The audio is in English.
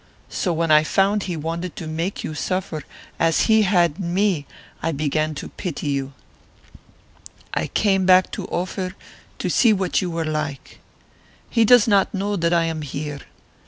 So when I found he wanted to make you suffer as he had me I began to pity you. I came back to Ophir to see what you were like. He does not know that I am here.